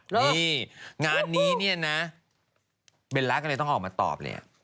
นี่งานนี้เนี่ยนะเบลล่าก็เลยต้องออกมาตอบเลย